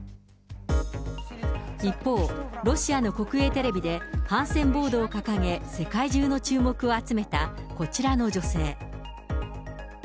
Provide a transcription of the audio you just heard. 一方、ロシアの国営テレビで反戦ボードを掲げ、世界中の注目を集めた、こちらの女性。